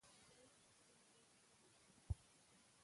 اوس د سیند غیږ کې ډوبیږې